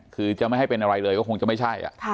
คือจะไม่ให้เป็นอะไรเลยก็คงจะไม่ใช่